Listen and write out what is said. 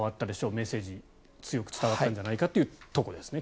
メッセージ強く伝わったんじゃないかというところですね。